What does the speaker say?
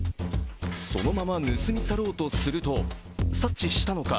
そのまま盗み去ろうとすると察知したのか